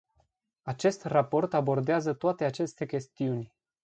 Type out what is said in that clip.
Acest raport abordează toate aceste chestiuni.